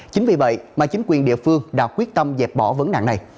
chính vì vậy mà chính quyền địa phương đã quyết tâm dẹp bỏ vấn nạn này